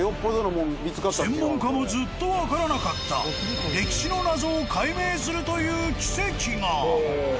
［専門家もずっと分からなかった歴史の謎を解明するという奇跡が！］